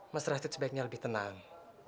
rasid rasid sebaiknya lebih tenang